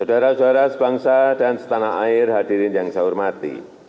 saudara saudara sebangsa dan setanah air hadirin yang saya hormati